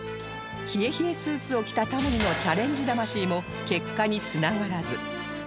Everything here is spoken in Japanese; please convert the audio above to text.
冷え冷えスーツを着たタモリのチャレンジ魂も結果に繋がらず